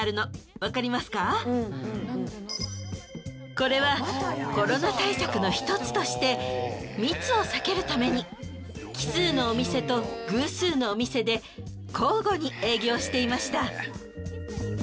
これはコロナ対策の１つとして密を避けるために奇数のお店と偶数のお店で交互に営業していました。